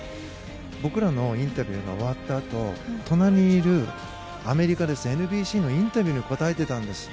僕らのインタビューの終わったあと隣にいる、アメリカＮＢＣのインタビューに答えていたんです。